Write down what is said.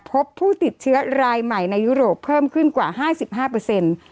พบผู้ติดเชื้อรายใหม่ในยุโรปเพิ่มขึ้นกว่า๕๕เปอร์เซ็นต์